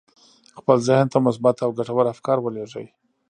خپل ذهن ته مثبت او ګټور افکار ولېږئ.